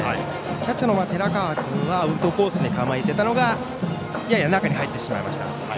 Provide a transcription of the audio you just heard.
キャッチャーの寺川君はアウトコースに構えていたのがやや中に入ってしまいました。